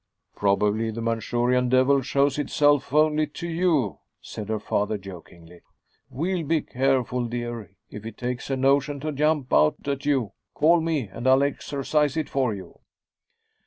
"Probably the Manchurian devil shows itself only to you," said her father jokingly. "Well, be careful, dear. If it takes a notion to jump out at you, call me and I'll exorcise it for you."